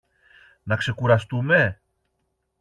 να ξεκουραστούμε;